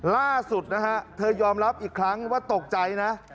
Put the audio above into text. ล่าสุดนะฮะเธอยอมรับอีกครั้งว่าตกใจนะ